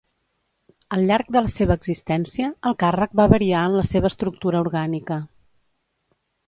Al llarg de la seva existència el càrrec va variar en la seva estructura orgànica.